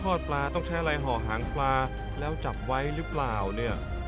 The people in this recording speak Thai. ถอดปลาต้องใช้ไรห่อหางปลาแล้วจับไว้หรือเปล่าเนี้ยคือการชาญ